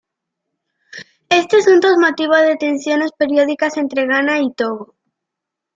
Este asunto es motivo de tensiones periódicas entre Ghana y Togo.